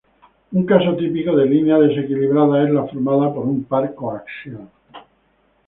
Un caso típico de línea desequilibrada es la formada por un par coaxial.